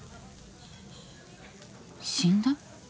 死んだ？